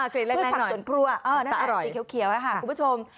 พืชผักสวนครัวสีเขียวค่ะคุณผู้ชม